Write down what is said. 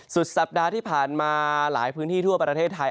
สุดสัปดาห์ที่ผ่านมาหลายพื้นที่ทั่วประเทศไทย